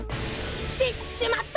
ししまった！